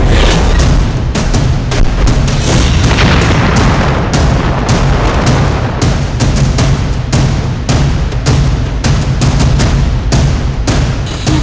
takiej yang mengabitkan